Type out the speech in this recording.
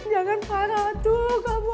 jangan jangan jangan parah tuh